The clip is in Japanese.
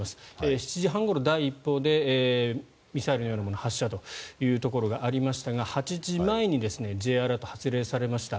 ７時半ごろ、第１報でミサイルのようなもの発射というのがありましたが８時前にＪアラートが発令されました。